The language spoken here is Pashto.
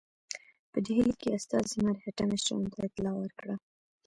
په ډهلي کې استازي مرهټه مشرانو ته اطلاع ورکړه.